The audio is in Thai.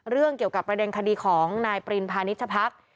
เรื่องเกี่ยวกับประเด็นคดีของนายปรินพาณิชพัก